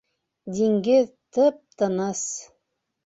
Диңгеҙ тып-тыныс.